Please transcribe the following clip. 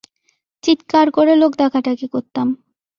চিৎকার করে লোক ডাকাডাকি করতাম।